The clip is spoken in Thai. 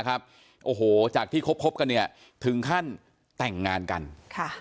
โอ้โหจากที่คบกันเนี่ยถึงขั้นแต่งงานกันค่ะ